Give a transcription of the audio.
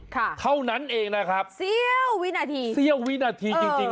ค่ะเท่านั้นเองนะครับเซียววินาทีเซียววินาทีจริง